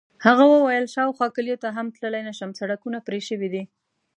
هغه وویل: شاوخوا کلیو ته هم تللی نه شم، سړکونه پرې شوي دي.